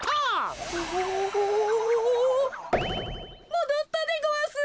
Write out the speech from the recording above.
もどったでごわす。